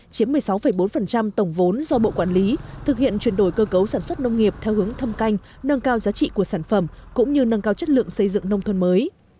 chiếm một mươi sáu bốn tổng vốn do bộ quản lý thực hiện chuyển đổi cơ cấu sản xuất nông nghiệp theo hướng thâm canh nâng cao giá trị của sản phẩm cũng như nâng cao chất lượng xây dựng nông thôn mới